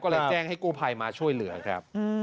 ก็เลยแจ้งให้กู้ภัยมาช่วยเหลือครับ